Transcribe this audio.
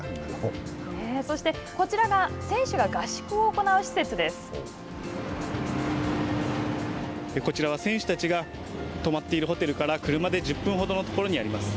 そして、こちらが選手が合宿を行こちらは選手たちが泊まっているホテルから車で１０分ほどの所にあります。